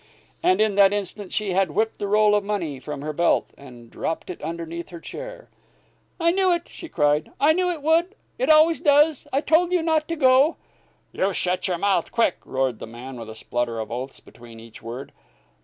And in that instant she had whipped the roll of money from her belt, and had dropped it underneath her chair. "I knew it!" she cried. "I knew it would! It always does. I told you not to go." "You shet your mouth quick!" roared the man, with a splutter of oaths between each word.